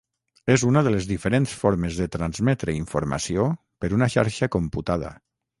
És una de les diferents formes de transmetre informació per una xarxa computada.